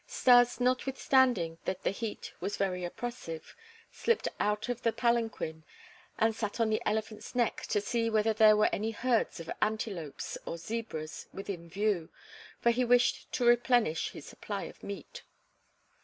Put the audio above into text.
Stas, notwithstanding that the heat was very oppressive, slipped out of the palanquin and sat on the elephant's neck to see whether there were any herds of antelopes or zebras within view, for he wished to replenish his supply of meat.